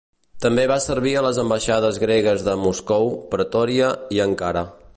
També va servir a les ambaixades gregues de Moscou, Pretòria i Ankara.